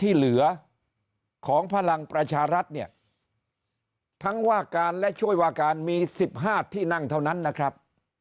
ที่เหลือของพลังประชารัฐเนี่ยทั้งว่าการและช่วยวาการมี๑๕ที่นั่งเท่านั้นนะครับ